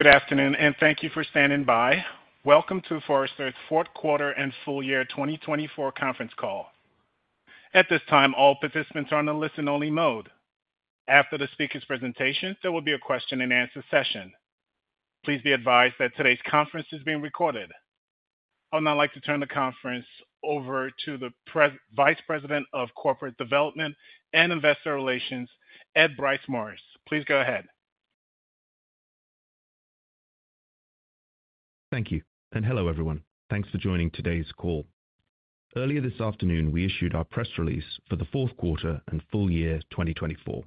Good afternoon, and thank you for standing by. Welcome to Forrester's Fourth Quarter and Full Year 2024 Conference Call. At this time, all participants are on a listen-only mode. After the speakers' presentations, there will be a question-and-answer session. Please be advised that today's conference is being recorded. I would now like to turn the conference over to the Vice President of Corporate Development and Investor Relations, Ed Bryce Morris. Please go ahead. Thank you, and hello everyone. Thanks for joining today's call. Earlier this afternoon, we issued our press release for the fourth quarter and full year 2024.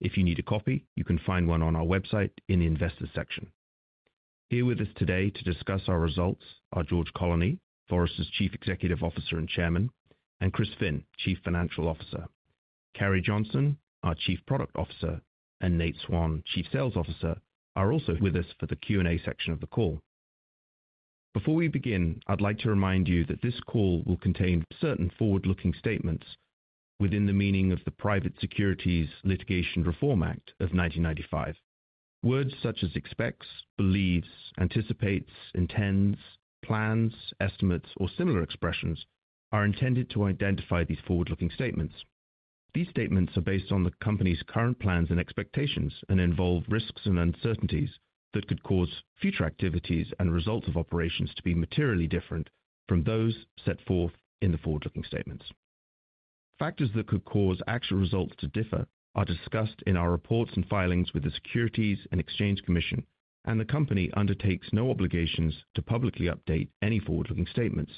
If you need a copy, you can find one on our website in the Investor section. Here with us today to discuss our results are George Colony, Forrester's Chief Executive Officer and Chairman, and Chris Finn, Chief Financial Officer. Carrie Johnson, our Chief Product Officer, and Nate Swan, Chief Sales Officer, are also with us for the Q&A section of the call. Before we begin, I'd like to remind you that this call will contain certain forward-looking statements within the meaning of the Private Securities Litigation Reform Act of 1995. Words such as expects, believes, anticipates, intends, plans, estimates, or similar expressions are intended to identify these forward-looking statements. These statements are based on the company's current plans and expectations and involve risks and uncertainties that could cause future activities and results of operations to be materially different from those set forth in the forward-looking statements. Factors that could cause actual results to differ are discussed in our reports and filings with the Securities and Exchange Commission, and the company undertakes no obligations to publicly update any forward-looking statements,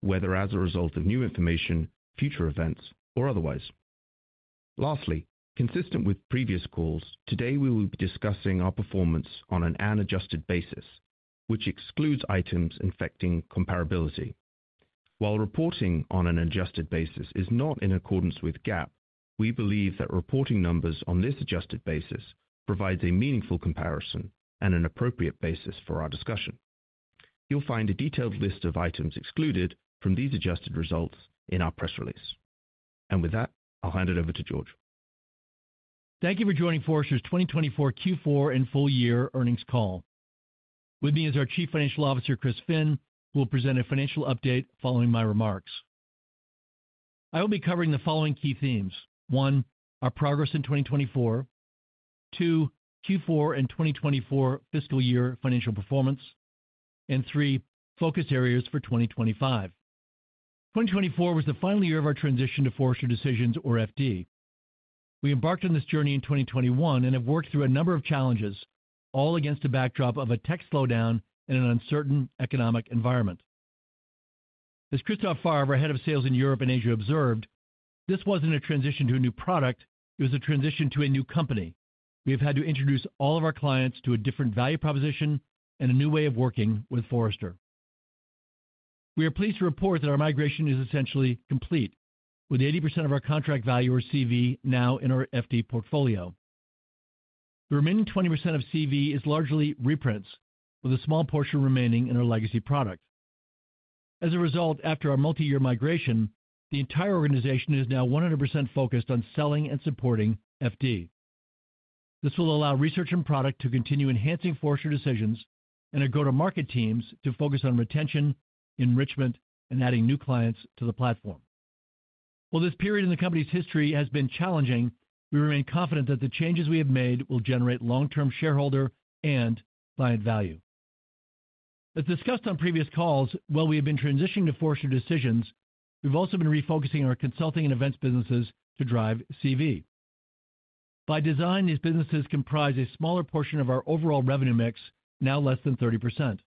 whether as a result of new information, future events, or otherwise. Lastly, consistent with previous calls, today we will be discussing our performance on an adjusted basis, which excludes items affecting comparability. While reporting on an adjusted basis is not in accordance with GAAP, we believe that reporting numbers on this adjusted basis provide a meaningful comparison and an appropriate basis for our discussion. You'll find a detailed list of items excluded from these adjusted results in our press release. With that, I'll hand it over to George. Thank you for joining Forrester's 2024 Q4 and full year earnings call. With me is our Chief Financial Officer, Chris Finn, who will present a financial update following my remarks. I will be covering the following key themes: one, our progress in 2024; two, Q4 and 2024 fiscal year financial performance; and three, focus areas for 2025. 2024 was the final year of our transition to Forrester Decisions, or FD. We embarked on this journey in 2021 and have worked through a number of challenges, all against a backdrop of a tech slowdown and an uncertain economic environment. As Christophe Favre, our Head of Sales in Europe and Asia, observed, this was not a transition to a new product; it was a transition to a new company. We have had to introduce all of our clients to a different value proposition and a new way of working with Forrester. We are pleased to report that our migration is essentially complete, with 80% of our contract value, or CV, now in our FD portfolio. The remaining 20% of CV is largely reprints, with a small portion remaining in our legacy product. As a result, after our multi-year migration, the entire organization is now 100% focused on selling and supporting FD. This will allow research and product to continue enhancing Forrester Decisions and our go-to-market teams to focus on retention, enrichment, and adding new clients to the platform. While this period in the company's history has been challenging, we remain confident that the changes we have made will generate long-term shareholder and client value. As discussed on previous calls, while we have been transitioning to Forrester Decisions, we've also been refocusing our consulting and events businesses to drive CV. By design, these businesses comprise a smaller portion of our overall revenue mix, now less than 30%.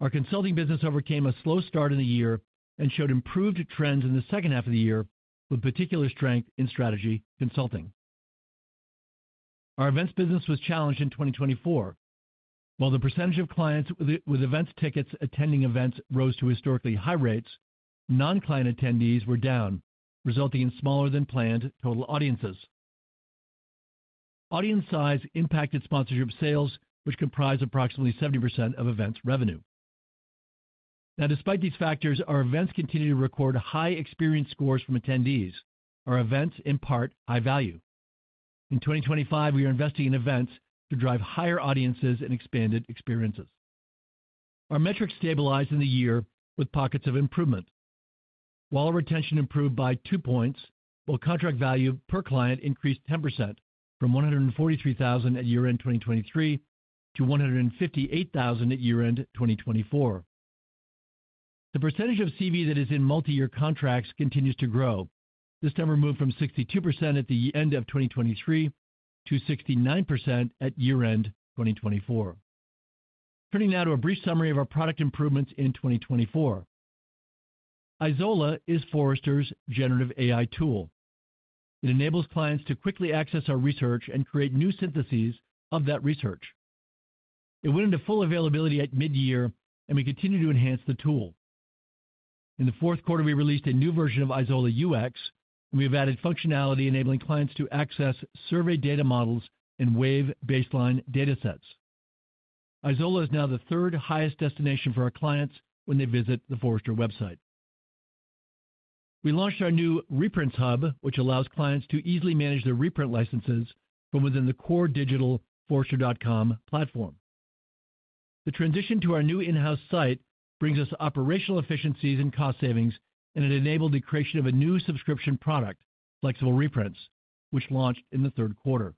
Our consulting business overcame a slow start in the year and showed improved trends in the second half of the year, with particular strength in strategy consulting. Our events business was challenged in 2024. While the percentage of clients with events tickets attending events rose to historically high rates, non-client attendees were down, resulting in smaller-than-planned total audiences. Audience size impacted sponsorship sales, which comprise approximately 70% of events revenue. Now, despite these factors, our events continue to record high experience scores from attendees. Our events impart high value. In 2025, we are investing in events to drive higher audiences and expanded experiences. Our metrics stabilized in the year with pockets of improvement. While retention improved by two points, while contract value per client increased 10% from $143,000 at year-end 2023 to $158,000 at year-end 2024. The percentage of CV that is in multi-year contracts continues to grow. This number moved from 62% at the end of 2023 to 69% at year-end 2024. Turning now to a brief summary of our product improvements in 2024. Izola is Forrester's generative AI tool. It enables clients to quickly access our research and create new syntheses of that research. It went into full availability at mid-year, and we continue to enhance the tool. In the fourth quarter, we released a new version of Izola UX, and we've added functionality enabling clients to access survey data models and Wave baseline data sets. Izola is now the third highest destination for our clients when they visit the Forrester website. We launched our new Reprints Hub, which allows clients to easily manage their reprint licenses from within the core digital forrester.com platform. The transition to our new in-house site brings us operational efficiencies and cost savings, and it enabled the creation of a new subscription product, Flexible Reprints, which launched in the third quarter.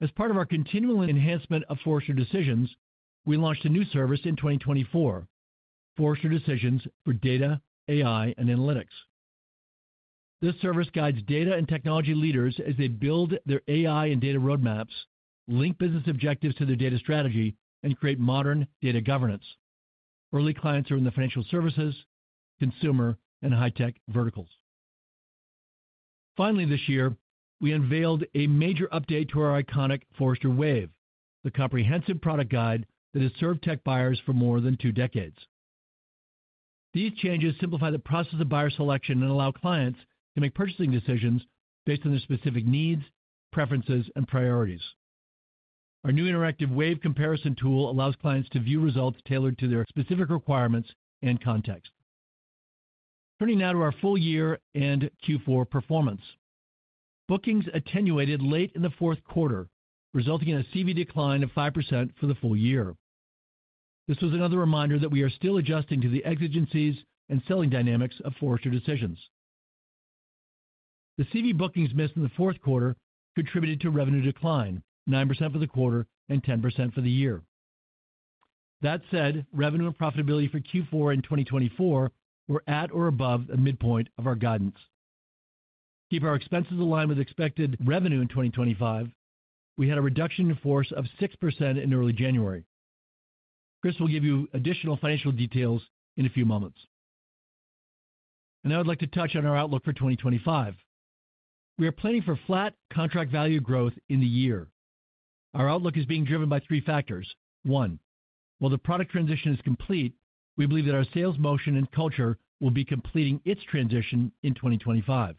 As part of our continual enhancement of Forrester Decisions, we launched a new service in 2024, Forrester Decisions for Data, AI, and Analytics. This service guides data and technology leaders as they build their AI and data roadmaps, link business objectives to their data strategy, and create modern data governance. Early clients are in the financial services, consumer, and high-tech verticals. Finally, this year, we unveiled a major update to our iconic Forrester Wave, the comprehensive product guide that has served tech buyers for more than two decades. These changes simplify the process of buyer selection and allow clients to make purchasing decisions based on their specific needs, preferences, and priorities. Our new interactive Wave comparison tool allows clients to view results tailored to their specific requirements and context. Turning now to our full year and Q4 performance. Bookings attenuated late in the fourth quarter, resulting in a CV decline of 5% for the full year. This was another reminder that we are still adjusting to the exigencies and selling dynamics of Forrester Decisions. The CV bookings missed in the fourth quarter contributed to revenue decline, 9% for the quarter and 10% for the year. That said, revenue and profitability for Q4 and 2024 were at or above the midpoint of our guidance. Keep our expenses aligned with expected revenue in 2025. We had a reduction in force of 6% in early January. Chris will give you additional financial details in a few moments. I would like to touch on our outlook for 2025. We are planning for flat contract value growth in the year. Our outlook is being driven by three factors. One, while the product transition is complete, we believe that our sales motion and culture will be completing its transition in 2025.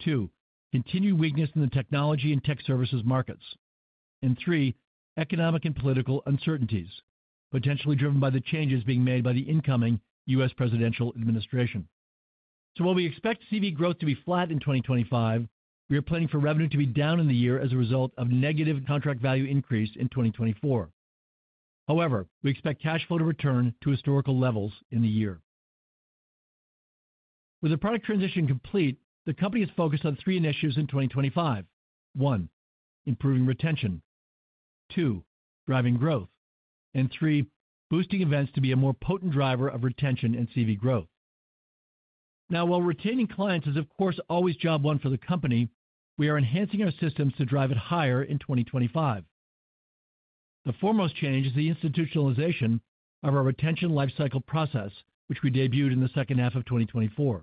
Two, continued weakness in the technology and tech services markets. Three, economic and political uncertainties, potentially driven by the changes being made by the incoming U.S. presidential administration. While we expect CV growth to be flat in 2025, we are planning for revenue to be down in the year as a result of negative contract value increase in 2024. However, we expect cash flow to return to historical levels in the year. With the product transition complete, the company is focused on three initiatives in 2025. One, improving retention. Two, driving growth. Three, boosting events to be a more potent driver of retention and CV growth. Now, while retaining clients is, of course, always job one for the company, we are enhancing our systems to drive it higher in 2025. The foremost change is the institutionalization of our retention lifecycle process, which we debuted in the second half of 2024.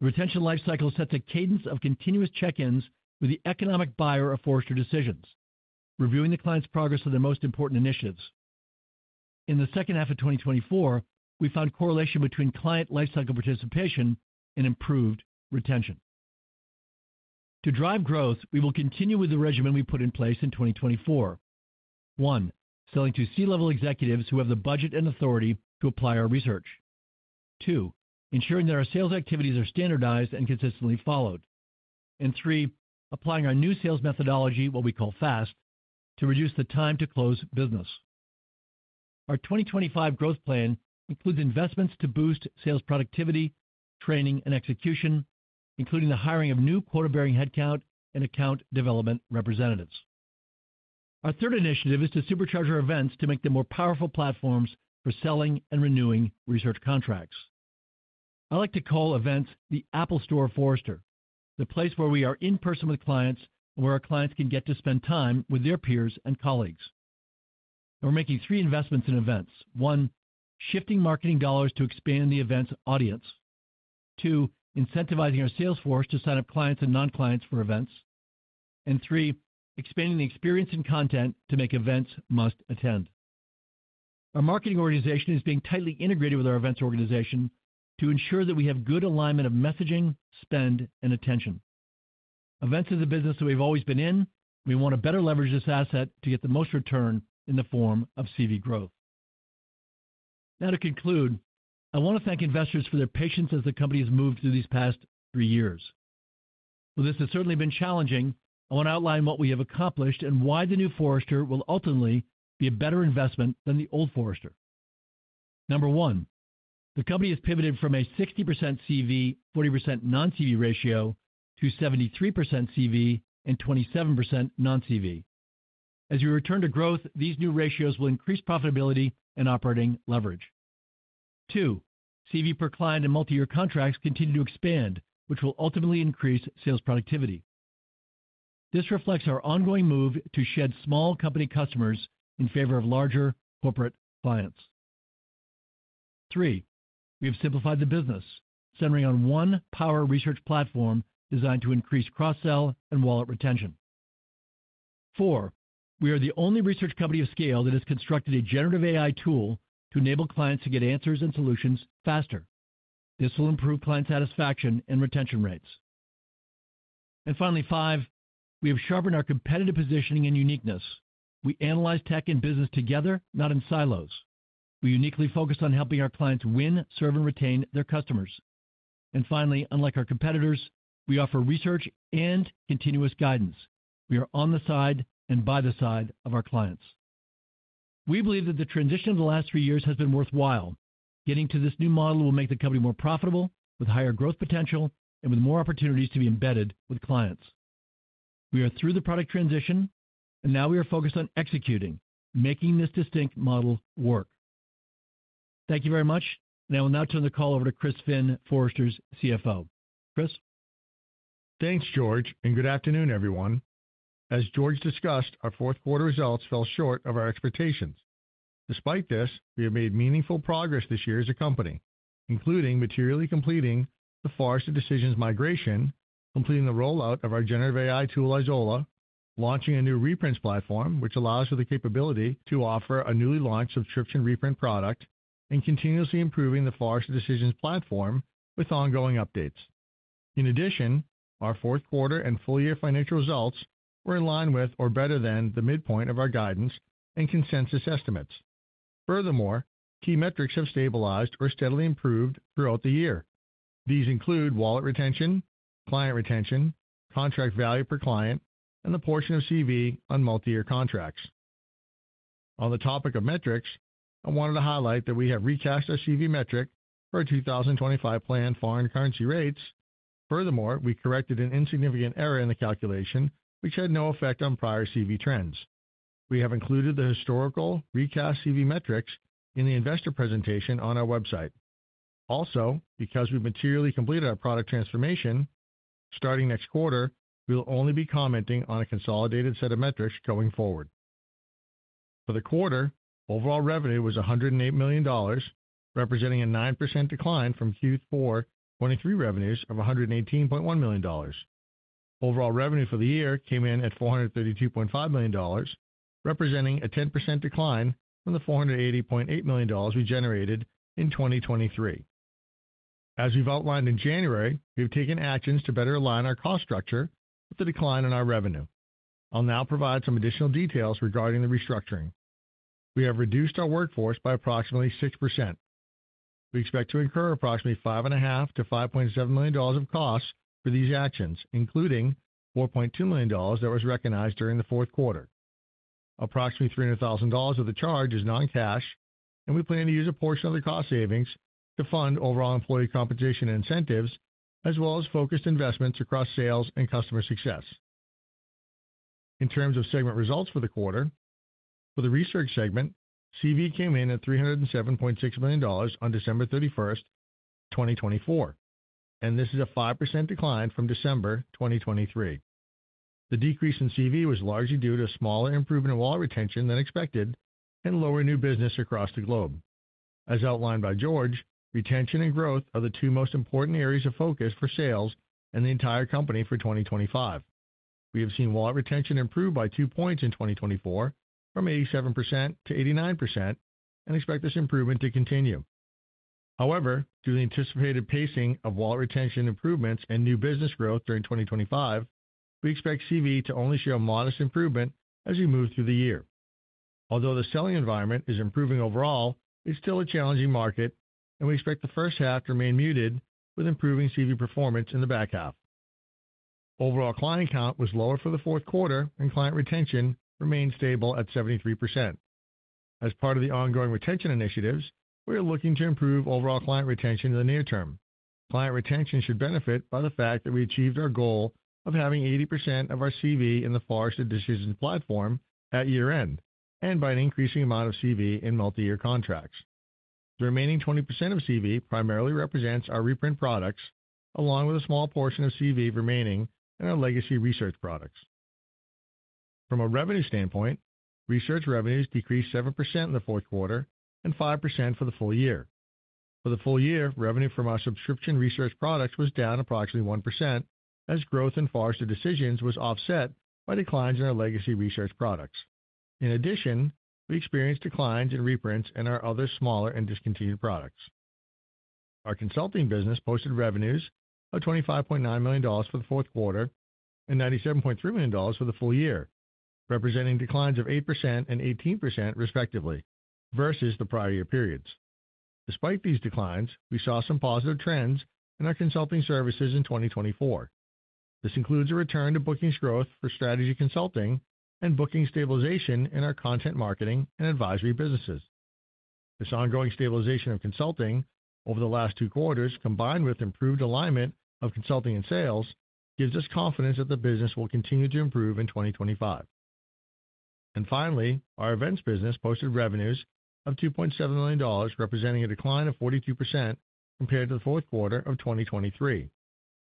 The retention lifecycle sets a cadence of continuous check-ins with the economic buyer of Forrester Decisions, reviewing the client's progress on their most important initiatives. In the second half of 2024, we found correlation between client lifecycle participation and improved retention. To drive growth, we will continue with the regimen we put in place in 2024. One, selling to C-level executives who have the budget and authority to apply our research. Two, ensuring that our sales activities are standardized and consistently followed. Three, applying our new sales methodology, what we call FAST, to reduce the time to close business. Our 2025 growth plan includes investments to boost sales productivity, training, and execution, including the hiring of new quarter-bearing headcount and account development representatives. Our third initiative is to supercharge our events to make them more powerful platforms for selling and renewing research contracts. I like to call events the Apple Store of Forrester, the place where we are in person with clients and where our clients can get to spend time with their peers and colleagues. We are making three investments in events. One, shifting marketing dollars to expand the events audience. Two, incentivizing our salesforce to sign up clients and non-clients for events. Three, expanding the experience and content to make events must attend. Our marketing organization is being tightly integrated with our events organization to ensure that we have good alignment of messaging, spend, and attention. Events is a business that we've always been in, and we want to better leverage this asset to get the most return in the form of CV growth. Now, to conclude, I want to thank investors for their patience as the company has moved through these past three years. While this has certainly been challenging, I want to outline what we have accomplished and why the new Forrester will ultimately be a better investment than the old Forrester. Number one, the company has pivoted from a 60% CV, 40% non-CV ratio to 73% CV and 27% non-CV. As we return to growth, these new ratios will increase profitability and operating leverage. Two, CV per client and multi-year contracts continue to expand, which will ultimately increase sales productivity. This reflects our ongoing move to shed small company customers in favor of larger corporate clients. Three, we have simplified the business, centering on one power research platform designed to increase cross-sell and wallet retention. Four, we are the only research company of scale that has constructed a generative AI tool to enable clients to get answers and solutions faster. This will improve client satisfaction and retention rates. Finally, five, we have sharpened our competitive positioning and uniqueness. We analyze tech and business together, not in silos. We uniquely focus on helping our clients win, serve, and retain their customers. Finally, unlike our competitors, we offer research and continuous guidance. We are on the side and by the side of our clients. We believe that the transition of the last three years has been worthwhile. Getting to this new model will make the company more profitable, with higher growth potential, and with more opportunities to be embedded with clients. We are through the product transition, and now we are focused on executing, making this distinct model work. Thank you very much, and I will now turn the call over to Chris Finn, Forrester's CFO. Chris. Thanks, George, and good afternoon, everyone. As George discussed, our fourth quarter results fell short of our expectations. Despite this, we have made meaningful progress this year as a company, including materially completing the Forrester Decisions migration, completing the rollout of our generative AI tool Izola, launching a new reprints platform, which allows us the capability to offer a newly launched subscription reprint product, and continuously improving the Forrester Decisions platform with ongoing updates. In addition, our fourth quarter and full year financial results were in line with or better than the midpoint of our guidance and consensus estimates. Furthermore, key metrics have stabilized or steadily improved throughout the year. These include wallet retention, client retention, contract value per client, and the portion of CV on multi-year contracts. On the topic of metrics, I wanted to highlight that we have recast our CV metric for our 2025 planned foreign currency rates. Furthermore, we corrected an insignificant error in the calculation, which had no effect on prior CV trends. We have included the historical recast CV metrics in the investor presentation on our website. Also, because we've materially completed our product transformation, starting next quarter, we'll only be commenting on a consolidated set of metrics going forward. For the quarter, overall revenue was $108 million, representing a 9% decline from Q4 2023 revenues of $118.1 million. Overall revenue for the year came in at $432.5 million, representing a 10% decline from the $480.8 million we generated in 2023. As we have outlined in January, we have taken actions to better align our cost structure with the decline in our revenue. I will now provide some additional details regarding the restructuring. We have reduced our workforce by approximately 6%. We expect to incur approximately $5.5-$5.7 million of costs for these actions, including $4.2 million that was recognized during the fourth quarter. Approximately $300,000 of the charge is non-cash, and we plan to use a portion of the cost savings to fund overall employee compensation incentives, as well as focused investments across sales and customer success. In terms of segment results for the quarter, for the research segment, CV came in at $307.6 million on December 31, 2024, and this is a 5% decline from December 2023. The decrease in CV was largely due to a smaller improvement in wallet retention than expected and lower new business across the globe. As outlined by George, retention and growth are the two most important areas of focus for sales and the entire company for 2025. We have seen wallet retention improve by two percentage points in 2024, from 87% to 89%, and expect this improvement to continue. However, due to the anticipated pacing of wallet retention improvements and new business growth during 2025, we expect CV to only show a modest improvement as we move through the year. Although the selling environment is improving overall, it's still a challenging market, and we expect the first half to remain muted with improving CV performance in the back half. Overall client count was lower for the fourth quarter, and client retention remained stable at 73%. As part of the ongoing retention initiatives, we are looking to improve overall client retention in the near term. Client retention should benefit by the fact that we achieved our goal of having 80% of our CV in the Forrester Decisions platform at year-end and by an increasing amount of CV in multi-year contracts. The remaining 20% of CV primarily represents our reprint products, along with a small portion of CV remaining in our legacy research products. From a revenue standpoint, research revenues decreased 7% in the fourth quarter and 5% for the full year. For the full year, revenue from our subscription research products was down approximately 1%, as growth in Forrester Decisions was offset by declines in our legacy research products. In addition, we experienced declines in reprints in our other smaller and discontinued products. Our consulting business posted revenues of $25.9 million for the fourth quarter and $97.3 million for the full year, representing declines of 8% and 18% respectively versus the prior year periods. Despite these declines, we saw some positive trends in our consulting services in 2024. This includes a return to bookings growth for strategy consulting and booking stabilization in our content marketing and advisory businesses. This ongoing stabilization of consulting over the last two quarters, combined with improved alignment of consulting and sales, gives us confidence that the business will continue to improve in 2025. Finally, our events business posted revenues of $2.7 million, representing a decline of 42% compared to the fourth quarter of 2023.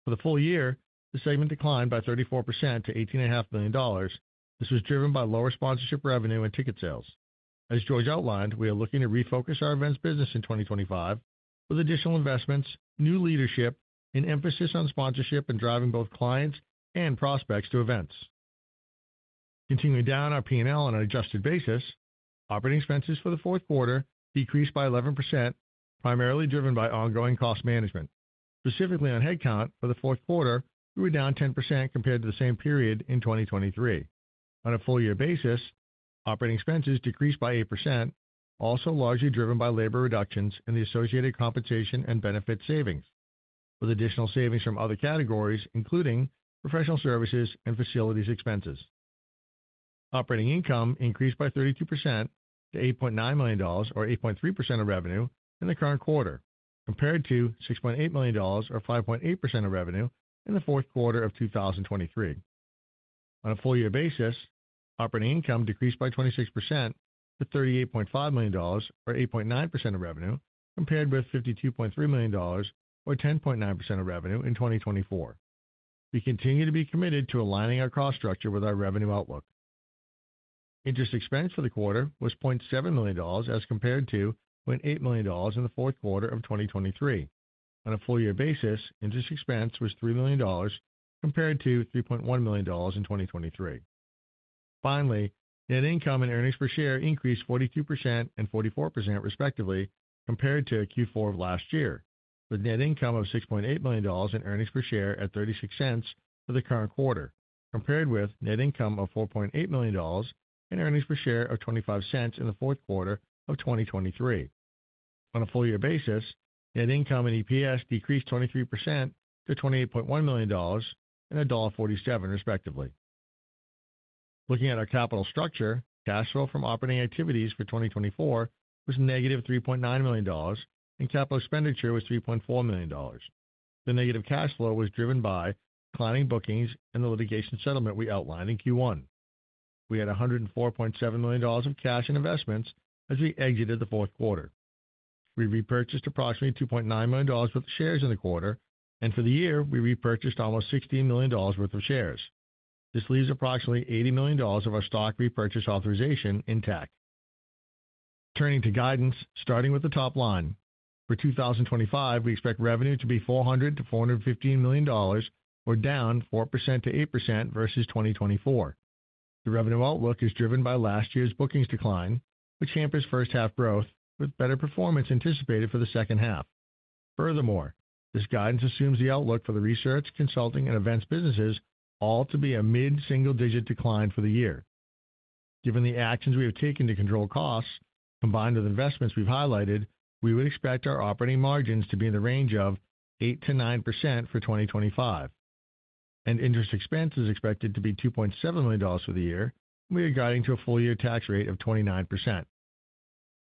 For the full year, the segment declined by 34% to $18.5 million. This was driven by lower sponsorship revenue and ticket sales. As George outlined, we are looking to refocus our events business in 2025 with additional investments, new leadership, and emphasis on sponsorship and driving both clients and prospects to events. Continuing down our P&L on an adjusted basis, operating expenses for the fourth quarter decreased by 11%, primarily driven by ongoing cost management. Specifically on headcount for the fourth quarter, we were down 10% compared to the same period in 2023. On a full year basis, operating expenses decreased by 8%, also largely driven by labor reductions and the associated compensation and benefit savings, with additional savings from other categories, including professional services and facilities expenses. Operating income increased by 32% to $8.9 million, or 8.3% of revenue in the current quarter, compared to $6.8 million, or 5.8% of revenue in the fourth quarter of 2023. On a full year basis, operating income decreased by 26% to $38.5 million, or 8.9% of revenue, compared with $52.3 million, or 10.9% of revenue in 2023. We continue to be committed to aligning our cost structure with our revenue outlook. Interest expense for the quarter was $0.7 million, as compared to $1.8 million in the fourth quarter of 2023. On a full year basis, interest expense was $3 million, compared to $3.1 million in 2023. Finally, net income and earnings per share increased 42% and 44% respectively compared to Q4 of last year, with net income of $6.8 million and earnings per share at $0.36 for the current quarter, compared with net income of $4.8 million and earnings per share of $0.25 in the fourth quarter of 2023. On a full year basis, net income and EPS decreased 23% to $28.1 million and $1.47 respectively. Looking at our capital structure, cash flow from operating activities for 2024 was negative $3.9 million, and capital expenditure was $3.4 million. The negative cash flow was driven by declining bookings and the litigation settlement we outlined in Q1. We had $104.7 million of cash and investments as we exited the fourth quarter. We repurchased approximately $2.9 million worth of shares in the quarter, and for the year, we repurchased almost $16 million worth of shares. This leaves approximately $80 million of our stock repurchase authorization intact. Turning to guidance, starting with the top line. For 2025, we expect revenue to be $400 million-$415 million, or down 4%-8% versus 2024. The revenue outlook is driven by last year's bookings decline, which hampers first-half growth, with better performance anticipated for the second half. Furthermore, this guidance assumes the outlook for the research, consulting, and events businesses all to be a mid-single-digit decline for the year. Given the actions we have taken to control costs, combined with investments we've highlighted, we would expect our operating margins to be in the range of 8%-9% for 2025. Interest expense is expected to be $2.7 million for the year, and we are guiding to a full year tax rate of 29%.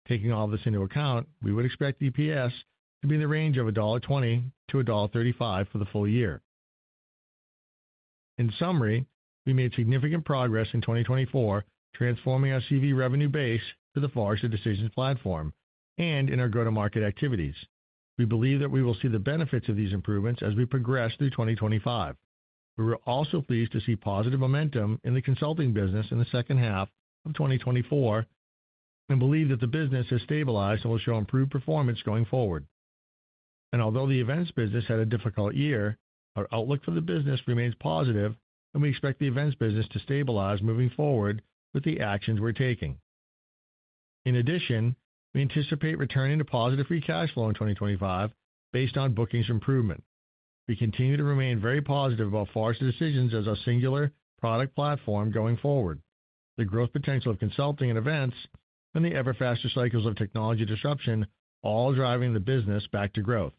Taking all this into account, we would expect EPS to be in the range of $1.20-$1.35 for the full year. In summary, we made significant progress in 2024, transforming our CV revenue base for the Forrester Decisions platform and in our go-to-market activities. We believe that we will see the benefits of these improvements as we progress through 2025. We were also pleased to see positive momentum in the consulting business in the second half of 2024 and believe that the business has stabilized and will show improved performance going forward. Although the events business had a difficult year, our outlook for the business remains positive, and we expect the events business to stabilize moving forward with the actions we're taking. In addition, we anticipate returning to positive free cash flow in 2025 based on bookings improvement. We continue to remain very positive about Forrester Decisions as our singular product platform going forward. The growth potential of consulting and events and the ever-faster cycles of technology disruption are all driving the business back to growth.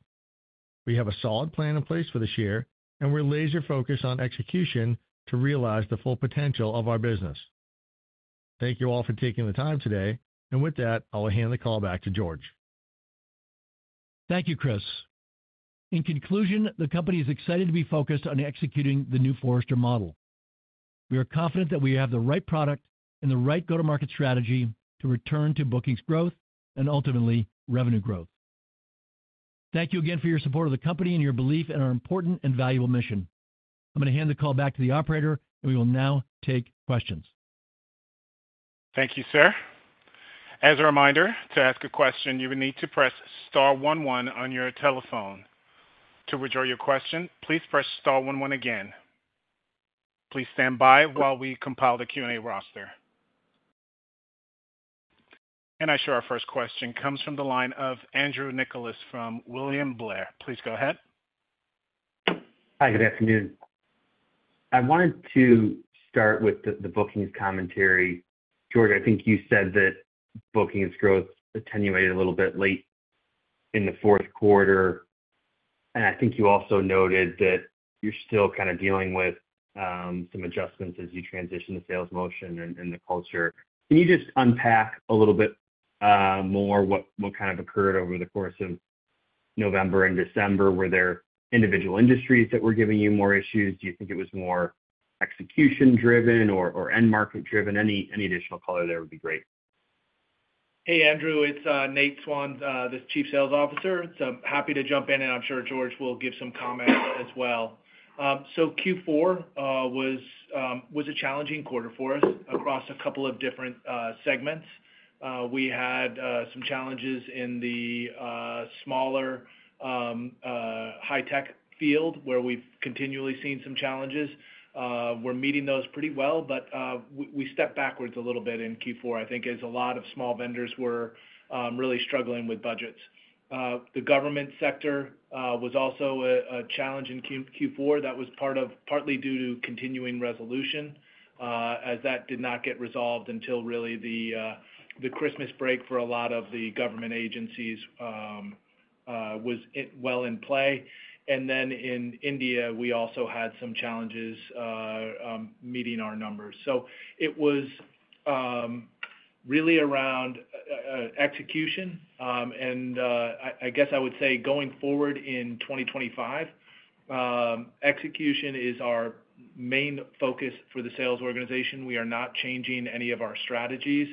We have a solid plan in place for this year, and we're laser-focused on execution to realize the full potential of our business. Thank you all for taking the time today, and with that, I will hand the call back to George. Thank you, Chris. In conclusion, the company is excited to be focused on executing the new Forrester model. We are confident that we have the right product and the right go-to-market strategy to return to bookings growth and ultimately revenue growth. Thank you again for your support of the company and your belief in our important and valuable mission. I'm going to hand the call back to the operator, and we will now take questions. Thank you, sir. As a reminder, to ask a question, you will need to press star one one on your telephone. To withdraw your question, please press star one one again. Please stand by while we compile the Q&A roster. I show our first question comes from the line of Andrew Nicholas from William Blair. Please go ahead. Hi, good afternoon. I wanted to start with the bookings commentary. George, I think you said that bookings growth attenuated a little bit late in the fourth quarter, and I think you also noted that you're still kind of dealing with some adjustments as you transition the sales motion and the culture. Can you just unpack a little bit more what kind of occurred over the course of November and December? Were there individual industries that were giving you more issues? Do you think it was more execution-driven or end-market-driven? Any additional color there would be great. Hey, Andrew. It's Nate Swan, the Chief Sales Officer. Happy to jump in, and I'm sure George will give some comments as well. Q4 was a challenging quarter for us across a couple of different segments. We had some challenges in the smaller high-tech field where we've continually seen some challenges. We're meeting those pretty well, but we stepped backwards a little bit in Q4, I think, as a lot of small vendors were really struggling with budgets. The government sector was also a challenge in Q4. That was partly due to continuing resolution, as that did not get resolved until really the Christmas break for a lot of the government agencies was well in play. In India, we also had some challenges meeting our numbers. It was really around execution, and I guess I would say going forward in 2025, execution is our main focus for the sales organization. We are not changing any of our strategies.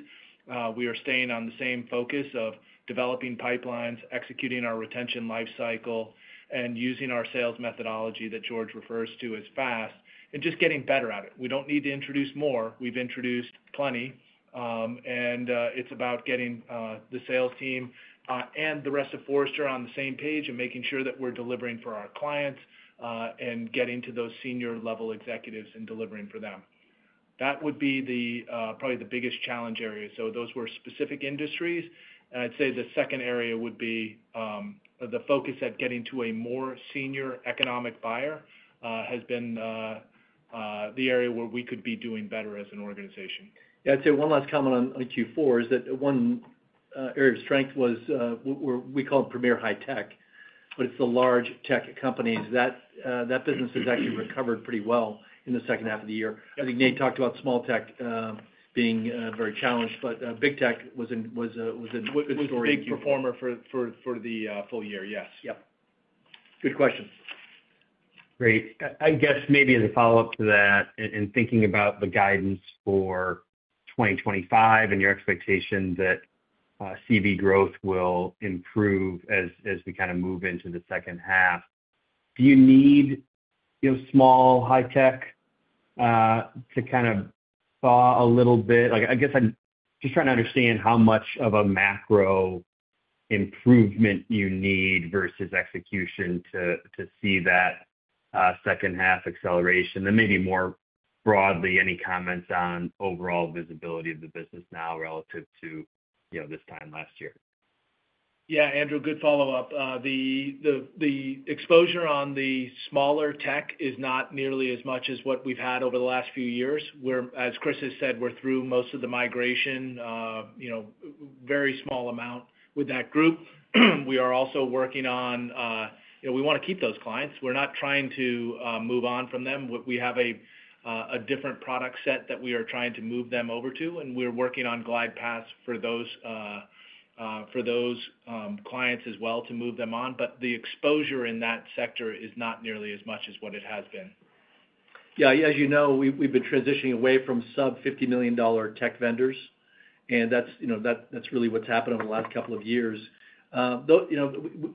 We are staying on the same focus of developing pipelines, executing our retention lifecycle, and using our sales methodology that George refers to as FAST, and just getting better at it. We do not need to introduce more. We have introduced plenty, and it is about getting the sales team and the rest of Forrester on the same page and making sure that we are delivering for our clients and getting to those senior-level executives and delivering for them. That would be probably the biggest challenge area. Those were specific industries, and I'd say the second area would be the focus at getting to a more senior economic buyer has been the area where we could be doing better as an organization. I'd say one last comment on Q4 is that one area of strength was what we call premier high-tech, but it's the large tech companies. That business has actually recovered pretty well in the second half of the year. I think Nate talked about small tech being very challenged, but big tech was a good story. It was a big performer for the full year, yes. Yep. Good question. Great. I guess maybe as a follow-up to that and thinking about the guidance for 2025 and your expectation that CV growth will improve as we kind of move into the second half, do you need small high-tech to kind of thaw a little bit? I guess I'm just trying to understand how much of a macro improvement you need versus execution to see that second-half acceleration. Maybe more broadly, any comments on overall visibility of the business now relative to this time last year? Yeah, Andrew, good follow-up. The exposure on the smaller tech is not nearly as much as what we've had over the last few years. As Chris has said, we're through most of the migration, very small amount with that group. We are also working on—we want to keep those clients. We're not trying to move on from them. We have a different product set that we are trying to move them over to, and we're working on glide paths for those clients as well to move them on. The exposure in that sector is not nearly as much as what it has been. Yeah, as you know, we've been transitioning away from sub-$50 million tech vendors, and that's really what's happened over the last couple of years.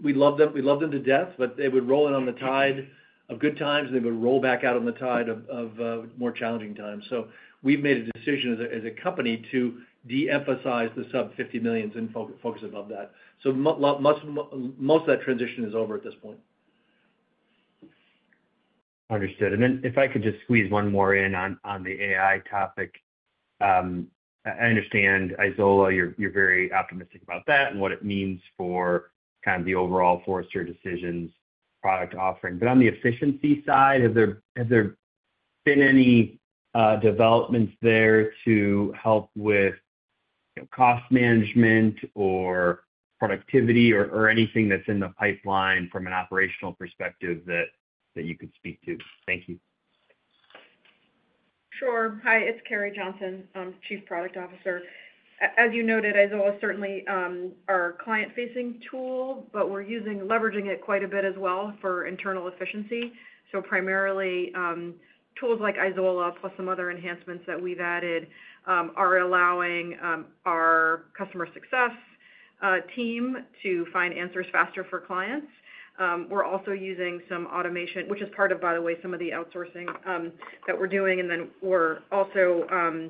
We love them to death, but they would roll in on the tide of good times, and they would roll back out on the tide of more challenging times. We have made a decision as a company to de-emphasize the sub-$50 millions and focus above that. Most of that transition is over at this point. Understood. If I could just squeeze one more in on the AI topic. I understand, Izola, you're very optimistic about that and what it means for kind of the overall Forrester Decisions product offering. On the efficiency side, have there been any developments there to help with cost management or productivity or anything that's in the pipeline from an operational perspective that you could speak to? Thank you. Sure. Hi, it's Carrie Johnson. I'm Chief Product Officer. As you noted, Izola is certainly our client-facing tool, but we're leveraging it quite a bit as well for internal efficiency. Primarily, tools like Izola, plus some other enhancements that we've added, are allowing our customer success team to find answers faster for clients. We're also using some automation, which is part of, by the way, some of the outsourcing that we're doing. We're also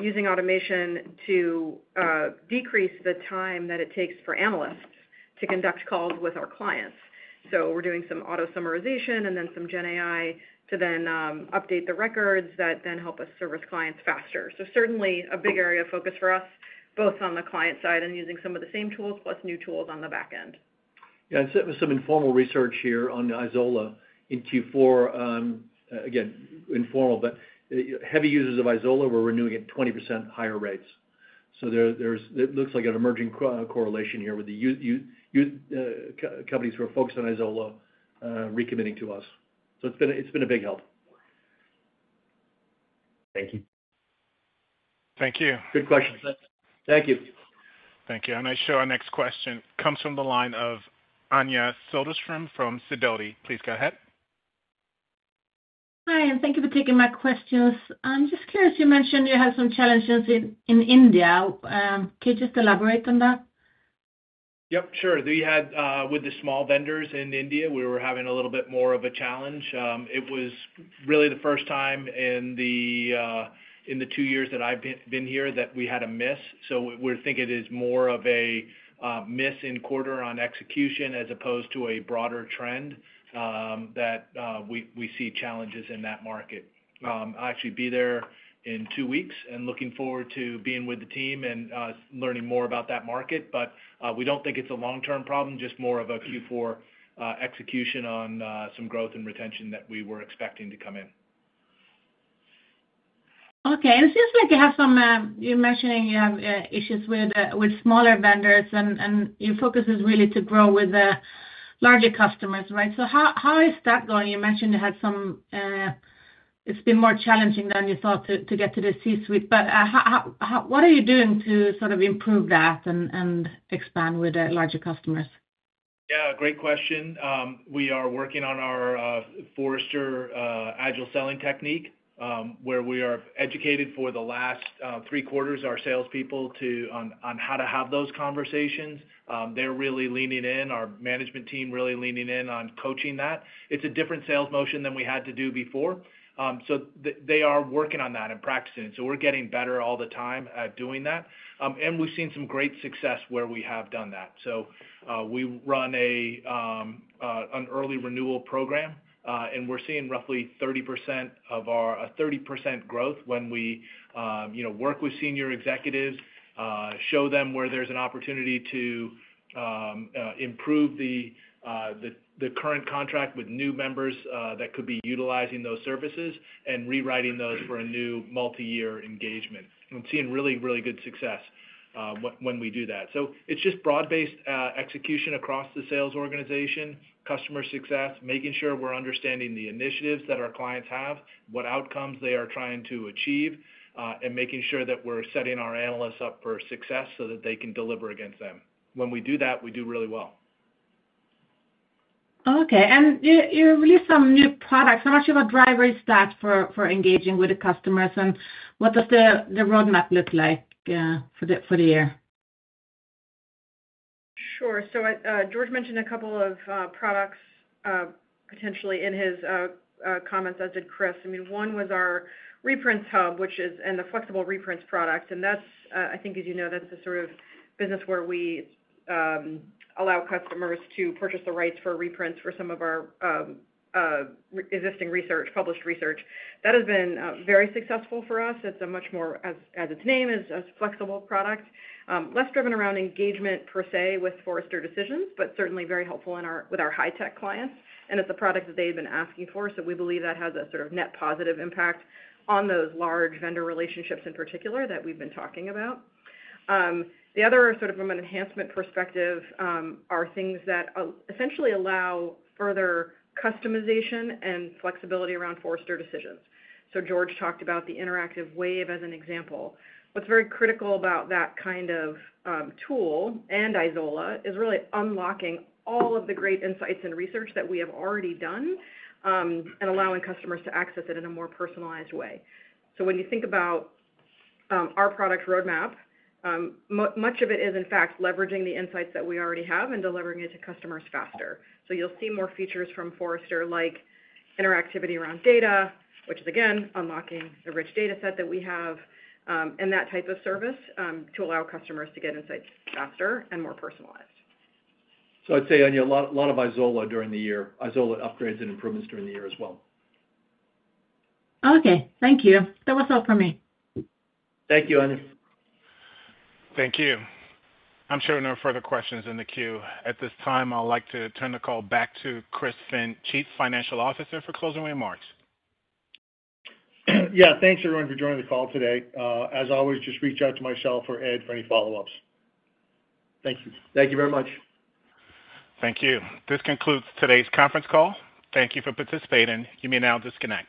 using automation to decrease the time that it takes for analysts to conduct calls with our clients. We're doing some auto summarization and then some GenAI to then update the records that then help us service clients faster. Certainly a big area of focus for us, both on the client side and using some of the same tools, plus new tools on the back end. I sent some informal research here on Izola in Q4. Again, informal, but heavy users of Izola were renewing at 20% higher rates. It looks like an emerging correlation here with the companies who are focused on Izola recommitting to us. It's been a big help. Thank you. Thank you. Good question. Thank you. Thank you. I show our next question comes from the line of Anja Soderstrom from Sidoti. Please go ahead. Hi, and thank you for taking my questions. I'm just curious. You mentioned you had some challenges in India. Can you just elaborate on that? Yep, sure. With the small vendors in India, we were having a little bit more of a challenge. It was really the first time in the two years that I've been here that we had a miss. We are thinking it is more of a miss in quarter on execution as opposed to a broader trend that we see challenges in that market. I will actually be there in two weeks and looking forward to being with the team and learning more about that market. We do not think it is a long-term problem, just more of a Q4 execution on some growth and retention that we were expecting to come in. Okay. It seems like you have some—you mentioned you have issues with smaller vendors, and your focus is really to grow with the larger customers, right? How is that going? You mentioned you had some—it has been more challenging than you thought to get to the C-suite. What are you doing to sort of improve that and expand with the larger customers? Yeah, great question. We are working on our Forrester Agile Selling Technique, where we are educating for the last three quarters our salespeople on how to have those conversations. They are really leaning in; our management team is really leaning in on coaching that. It is a different sales motion than we had to do before. They are working on that and practicing it. We are getting better all the time at doing that. We have seen some great success where we have done that. We run an early renewal program, and we're seeing roughly 30% of our 30% growth when we work with senior executives, show them where there's an opportunity to improve the current contract with new members that could be utilizing those services, and rewriting those for a new multi-year engagement. We've seen really, really good success when we do that. It is just broad-based execution across the sales organization, customer success, making sure we're understanding the initiatives that our clients have, what outcomes they are trying to achieve, and making sure that we're setting our analysts up for success so that they can deliver against them. When we do that, we do really well. Okay. You released some new products. How much of a driver is that for engaging with the customers, and what does the roadmap look like for the year? Sure. George mentioned a couple of products potentially in his comments, as did Chris. I mean, one was our Reprints Hub and the Flexible Reprints product. I think, as you know, that's the sort of business where we allow customers to purchase the rights for reprints for some of our existing published research. That has been very successful for us. It's a much more, as its name is, a flexible product, less driven around engagement per se with Forrester Decisions, but certainly very helpful with our high-tech clients. It's a product that they've been asking for, so we believe that has a sort of net positive impact on those large vendor relationships in particular that we've been talking about. The other sort of from an enhancement perspective are things that essentially allow further customization and flexibility around Forrester Decisions. George talked about the interactive wave as an example. What's very critical about that kind of tool and Izola is really unlocking all of the great insights and research that we have already done and allowing customers to access it in a more personalized way. When you think about our product roadmap, much of it is, in fact, leveraging the insights that we already have and delivering it to customers faster. You'll see more features from Forrester, like interactivity around data, which is, again, unlocking the rich data set that we have, and that type of service to allow customers to get insights faster and more personalized. I'd say, Anja, a lot of Izola during the year. Izola upgrades and improvements during the year as well. Okay. Thank you. That was all from me. Thank you, Anja. Thank you. I'm sure no further questions in the queue. At this time, I'd like to turn the call back to Chris Finn, Chief Financial Officer, for closing remarks. Yeah, thanks, everyone, for joining the call today. As always, just reach out to myself or Ed for any follow-ups. Thank you. Thank you very much. Thank you. This concludes today's conference call. Thank you for participating. You may now disconnect.